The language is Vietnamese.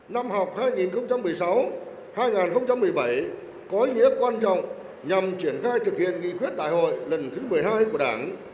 năm học hai nghìn một mươi sáu hai nghìn một mươi bảy có ý nghĩa quan trọng nhằm triển khai thực hiện nghị quyết đại hội lần thứ một mươi hai của đảng